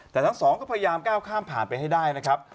แต่ทั้งสองก็พยายามก้าวข้ามผ่านไปให้ได้นะครับ